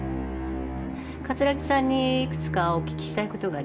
葛城さんにいくつかお聞きしたいことがあります。